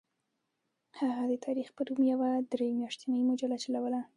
هغه د تاریخ په نوم یوه درې میاشتنۍ مجله چلوله.